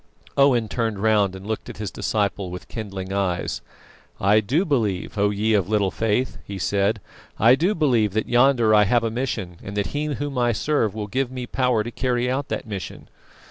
Owen turned round and looked at his disciple with kindling eyes. "I do believe, O you of little faith!" he said. "I do believe that yonder I have a mission, and that He Whom I serve will give me power to carry out that mission.